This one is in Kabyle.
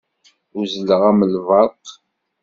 Uzzleɣ am lberq.